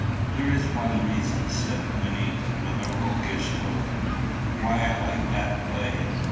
"There is one reason," said Wynnie with a roguish look, "why I like that play."